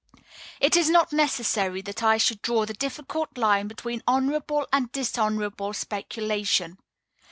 It is not necessary that I should draw the difficult line between honorable and dishonorable speculation.